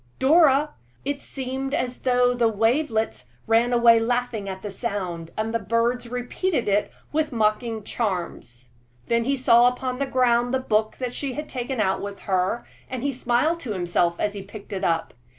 Dora!" It seemed as though the wavelets ran away laughing at the sound, and the birds repeated it with mocking charms. Then he saw upon the ground the book she had taken out with her, and smiled to himself as he picked it up.